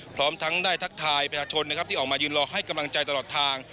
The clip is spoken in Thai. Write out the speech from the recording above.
พร้อมทั้งได้ทักทายประชาชนนะครับที่ออกมายืนรอให้กำลังใจตลอดทาง